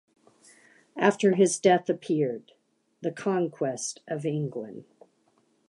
After his death appeared "The Conquest of England".